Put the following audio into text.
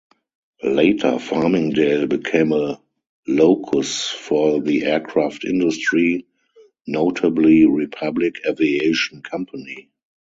Later, Farmingdale became a locus for the aircraft industry, notably Republic Aviation Company.